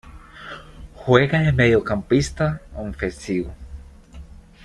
Juega de mediocampista ofensivo.